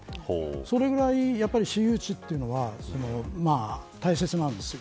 それぐらい私有地というのは大切なんです。